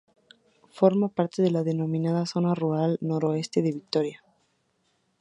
Forma parte de la denominada Zona Rural Noroeste de Vitoria.